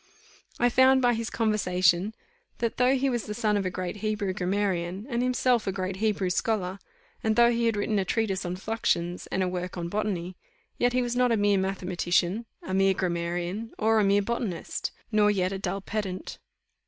I found by his conversation, that though he was the son of a great Hebrew grammarian, and himself a great Hebrew scholar, and though he had written a treatise on fluxions, and a work on botany, yet he was not a mere mathematician, a mere grammarian, or a mere botanist, nor yet a dull pedant.